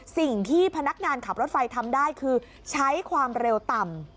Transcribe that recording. สิ่งที่พนักงานขับรถไฟทำได้คือใช้ความเร็วต่ำ